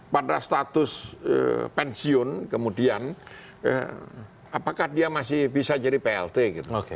pada status pensiun kemudian apakah dia masih bisa jadi plt gitu